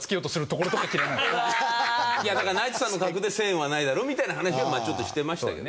いやだからナイツさんの格で１０００円はないだろみたいな話をちょっとしてましたけど。